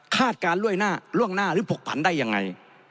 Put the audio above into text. การล่วงหน้าล่วงหน้าหรือผกผันได้ยังไง